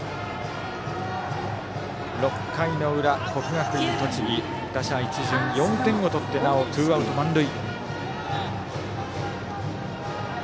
６回の裏、国学院栃木、打者一巡４点をとってなおツーアウト満塁。